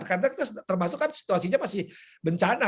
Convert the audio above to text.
karena kita termasuk kan situasinya masih bencana